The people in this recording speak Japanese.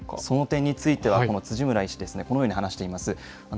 その点については、辻村医師、このように話しています。